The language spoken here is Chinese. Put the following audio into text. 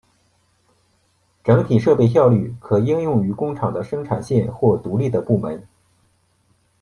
整体设备效率可应用于工厂的生产线或独立的部门。